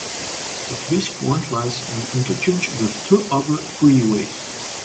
At this point lies an interchange with two other freeways.